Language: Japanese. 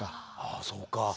ああそうか。